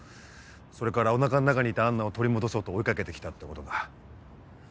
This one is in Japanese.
それからお腹の中にいたアンナを取り戻そうと追い掛けて来たってことだ。